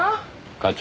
課長。